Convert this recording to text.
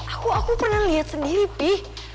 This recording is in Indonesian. aku aku pernah lihat sendiri pi